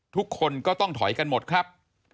ทุกคนก็ต้องถอยกันหมดครับ